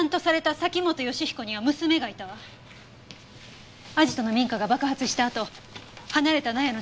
アジトの民家が爆発したあと離れた納屋の近くで救出された。